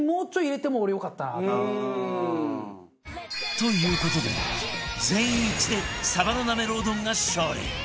という事で全員一致でさばのなめろう丼が勝利